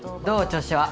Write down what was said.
調子は。